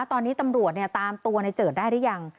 ตอนนี้ตำรวจตามตัวในเจิดได้หรือยัง